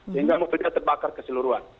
sehingga mobilnya terbakar keseluruhan